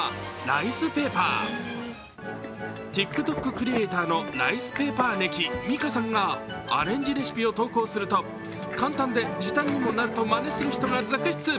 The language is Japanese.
クリエイターのライスペーパーネキ、みかさんがアレンジレシピを投稿すると簡単で時短にもなるとまねする人が続出。